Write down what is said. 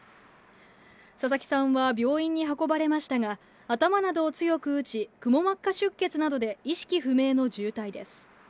佐々木さんは病院に運ばれましたが、頭などを強く打ち、くも膜下出血などで意識不明の重体です。